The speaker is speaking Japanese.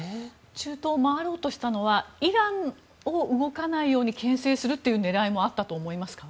中東を回ろうとしたのはイランが動かないようにけん制するという狙いもあったと思いますか？